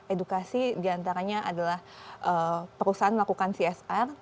edukasi diantaranya adalah perusahaan melakukan csr